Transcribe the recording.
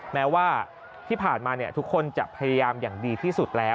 แม้ว่าที่ผ่านมาทุกคนจะพยายามอย่างดีที่สุดแล้ว